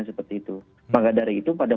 seperti itu maka dari itu pada